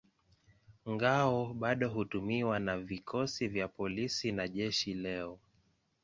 Ngao bado hutumiwa na vikosi vya polisi na jeshi leo.